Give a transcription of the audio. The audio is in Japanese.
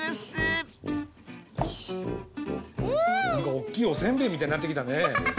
おっきいおせんべいみたいになってきたね。